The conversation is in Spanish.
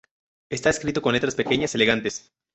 Está escrito con letras pequeñas elegantes.